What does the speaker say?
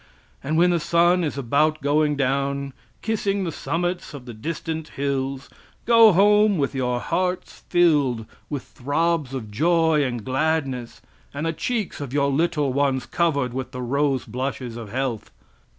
and when the sun is about going down, kissing the summits of the distant hills, go home with your hearts filled with throbs of joy and gladness, and the cheeks of your little ones covered with the rose blushes of health!